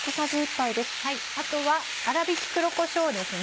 あとは粗びき黒こしょうですね。